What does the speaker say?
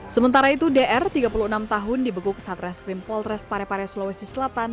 sementara itu dr tiga puluh enam tahun dibeguk saat reskrim polres parepare sulawesi selatan